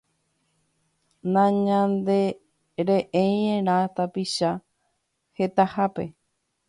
Nañandearéiarã tapicha hetahápe.